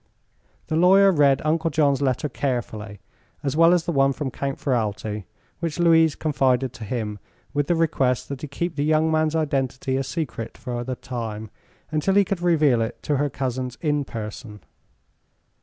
The lawyer read Uncle John's letter carefully, as well as the one from Count Ferralti, which Louise confided to him with the request that he keep the young man's identity a secret for a time, until he could reveal it to her cousins in person.